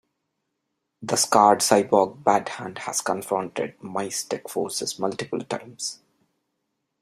The scarred cyborg Badhand has confronted Mys-Tech forces multiple times.